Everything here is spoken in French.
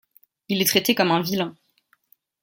Il est traité comme un vilain.